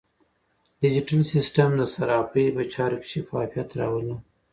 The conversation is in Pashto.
ډیجیټل سیستم د صرافۍ په چارو کې شفافیت راولي.